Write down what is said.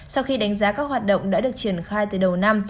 sau khi đánh giá các hoạt động đã được triển khai từ đầu năm